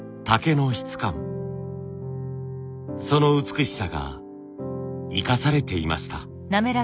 その美しさが生かされていました。